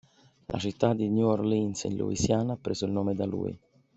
La città di New Orleans, in Louisiana, ha preso il nome da lui.